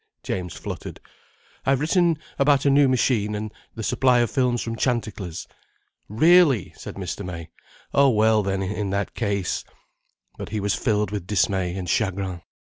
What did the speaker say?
James fluttered. "I have written about a new machine, and the supply of films from Chanticlers." "Really!" said Mr. May. "Oh well then, in that case—" But he was filled with dismay and chagrin.